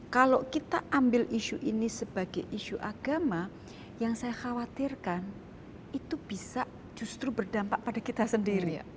kalau kita ambil isu ini sebagai isu agama yang saya khawatirkan itu bisa justru berdampak pada kita sendiri